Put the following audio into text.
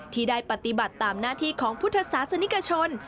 ที่ได้ปฏิบัติตามหน้าที่ของพุทธศาสนิกชน